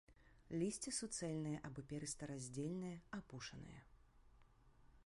Лісце суцэльнае або перыста-раздзельнае, апушанае.